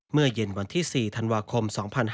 เมื่อเย็นวันที่๔ธันวาคม๒๕๕๙